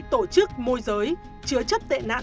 tổ chức môi giới chứa chấp tệ nạn